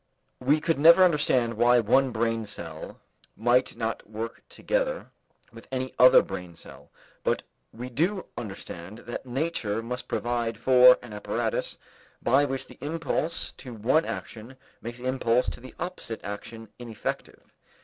We could never understand why one brain cell might not work together with any other brain cell, but we do understand that nature must provide for an apparatus by which the impulse to one action makes the impulse to the opposite action ineffective.